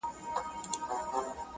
• وزر مي دی راوړی سوځوې یې او که نه -